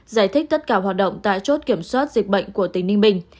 giải thích tất cả hoạt động tại chốt kiểm soát dịch bệnh của tỉnh ninh bình